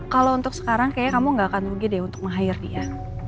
kalau untuk sekarang kayaknya kamu gak akan rugi deh untuk meng hire dia